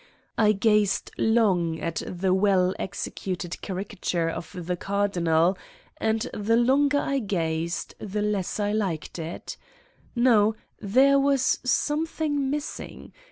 I gazed long at the well executed caricature of the Cardinal and the longer I gazed, the less I liked it : no, there was something missing.